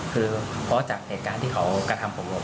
คือเพราะจากเหตุการณ์ที่เขากระทำผม